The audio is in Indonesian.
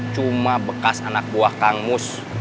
cuma bekas anak buah kang mus